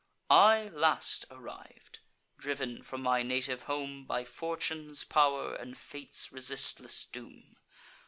I last arriv'd, driv'n from my native home By fortune's pow'r, and fate's resistless doom.